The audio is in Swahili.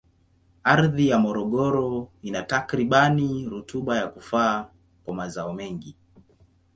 Ardhi ya Morogoro ina takribani rutuba ya kufaa kwa mazao mengi.